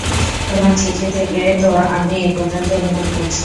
তোমার চিঠি থেকে তো আমি এই পর্যন্ত অনুমান করছি।